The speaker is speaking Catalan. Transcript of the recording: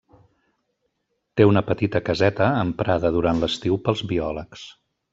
Té una petita caseta emprada durant l'estiu pels biòlegs.